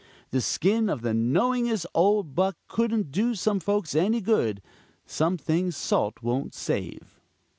The skin of the knowingest old buck couldn't do some folks any good some things salt won't save.